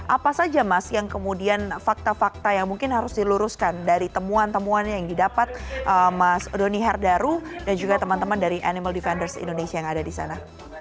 apa saja mas yang kemudian fakta fakta yang mungkin harus diluruskan dari temuan temuannya yang didapat mas doni herdaru dan juga teman teman dari animal defenders indonesia yang ada di sana